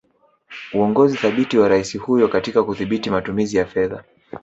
Uongozi thabiti wa Rais huyo katika kudhibiti matumizi ya fedha